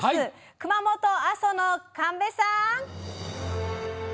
熊本・阿蘇の神戸さん。